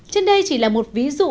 trên đây chỉ là một ví dụ